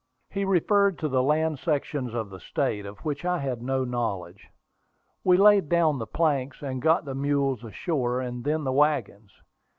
He referred to the land sections of the state, of which I had no knowledge. We laid down the planks, and got the mules ashore, and then the wagons.